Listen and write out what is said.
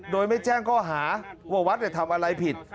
โดยไม่แจ้งข้อหาว่าวัดทำอะไรผิด